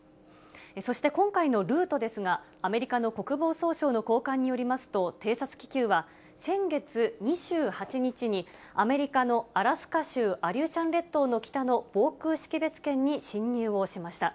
そして、今回のルートですが、アメリカの国防総省の高官によりますと、偵察気球は、先月２８日にアメリカのアラスカ州アリューシャン列島の北の防空識別圏に侵入をしました。